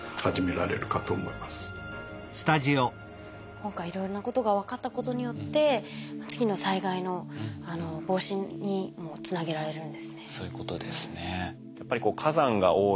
今回いろんなことが分かったことによって次の災害の防止にもつなげられるんですね。